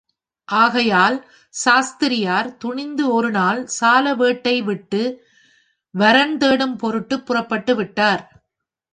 ஆகையால் சாஸ்திரியார் துணிந்து ஒரு நாள் சாலவேட்டைவிட்டு, வரன் தேடும் பொருட்டுப் புறப்பட்டுவிட்டார்.